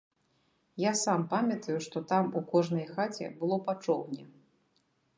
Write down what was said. Я сам памятаю, што там у кожнай хаце было па чоўне.